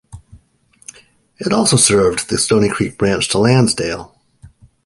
It also served the Stony Creek Branch to Lansdale.